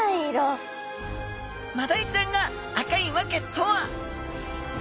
マダイちゃんが赤い訳とは！？